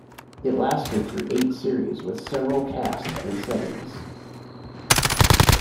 It lasted through eight series, with several casts and settings.